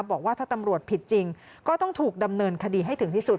บอกว่าถ้าตำรวจผิดจริงก็ต้องถูกดำเนินคดีให้ถึงที่สุด